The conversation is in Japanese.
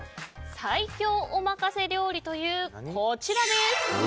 最強おまかせ料理というこちらです。